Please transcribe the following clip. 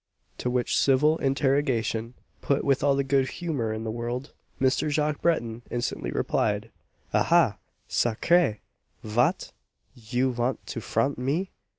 _" To which civil interrogation put with all the good humour in the world Mr. Jacques Breton instantly replied, "_Ahah! sacré! vat? you want to 'front me!